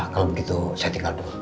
kalau begitu saya tinggal dong